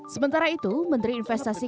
sementara itu menteri investasi